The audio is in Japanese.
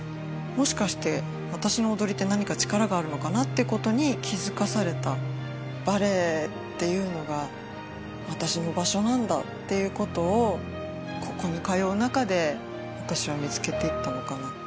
もしかして私の踊りって何か力があるのかなってことに気付かされたバレエっていうのが私の場所なんだっていうことをここに通う中で私は見つけていったのかなって